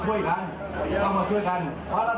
ผมไม่ได้ฟังทุกคน